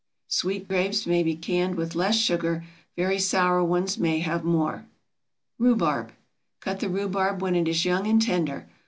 Sweet grapes may be canned with less sugar; very sour ones may have more. RHUBARB. Cut the rhubarb when it is young and tender.